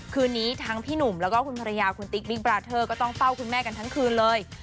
คืนนี้ทั้งพี่หนุ่มแล้วก็คุณภรรยาคุณติ๊กบิ๊กบราเทอร์ก็ต้องเฝ้าคุณแม่กันทั้งคืนเลย